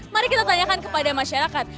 mari kita tanyakan kepada masyarakat